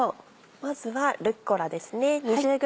まずはルッコラですね。